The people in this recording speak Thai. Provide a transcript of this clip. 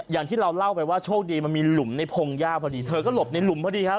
อย่างที่เราเล่าไปว่าโชคดีมันมีหลุมในพงหญ้าพอดีเธอก็หลบในหลุมพอดีครับ